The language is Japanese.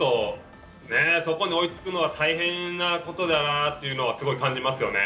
そこに追いつくのは大変なことだなというのをすごい感じますよね。